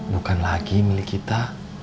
bukan lagi milik kita